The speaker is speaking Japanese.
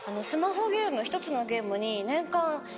一つのゲームに。